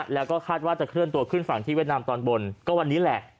แล้วก็คาดว่าจะเคลื่อนตัวขึ้นฝั่งที่เวียดนามตอนบนก็วันนี้แหละ